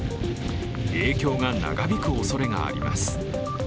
影響が長引くおそれがあります。